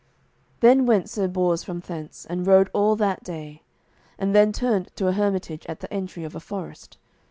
Then went Sir Bors from thence, and rode all that day, and then turned to a hermitage, at the entry of a forest.